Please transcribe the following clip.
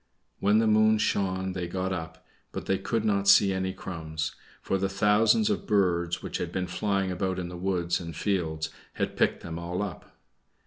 When the moon shone they got up, but they could not see any crumbs, for the thousands of birds which had been flying about in the woods and fields had picked them all up.